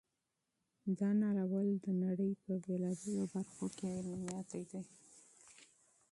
دا ناول د نړۍ په مختلفو برخو کې مشهور دی.